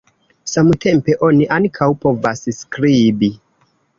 Samtempe oni ankaŭ povas skribi.